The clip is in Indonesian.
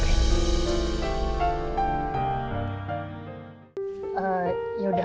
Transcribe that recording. yaudah kalau misalnya